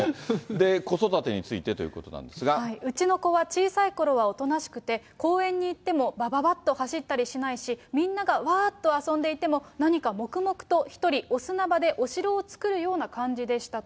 子育てについてということなんですが、うちの子は小さいころはおとなしくて、公園に行ってもばばばっと走ったりしないし、みんながわーっと遊んでいても、何か黙々と一人お砂場でお城を作るような感じでしたと。